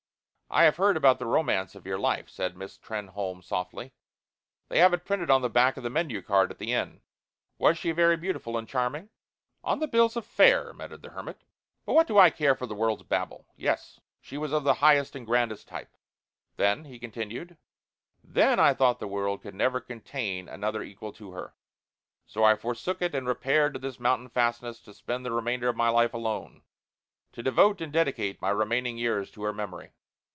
"I have heard about the romance of your life," said Miss Trenholme, softly. "They have it printed on the back of the menu card at the inn. Was she very beautiful and charming?" "On the bills of fare!" muttered the hermit; "but what do I care for the world's babble? Yes, she was of the highest and grandest type. Then," he continued, "then I thought the world could never contain another equal to her. So I forsook it and repaired to this mountain fastness to spend the remainder of my life alone to devote and dedicate my remaining years to her memory."